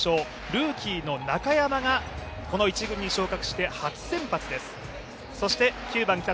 ルーキーの中山が１軍に昇格して初先発です。